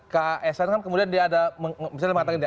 ke asn kan kemudian dia ada